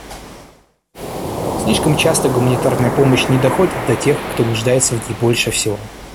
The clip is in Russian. Слишком часто гуманитарная помощь не доходит до тех, кто нуждается в ней больше всего.